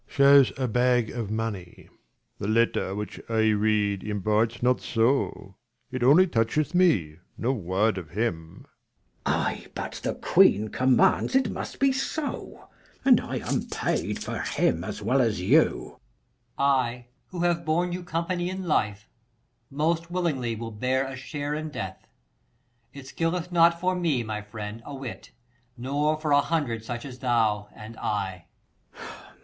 a bag of money. Leir. The letter which I read, imports not so, It only toucheth me ; no word of him. 240 Mess. Ay, but the queen commands it must be so, And I am paid for him, as well as you. Per. I, who have borne you company in life, Most willingly will bear a share in death. It skilleth not for me, my friend, a whit, 245 Nor for a hundred such as thou and I.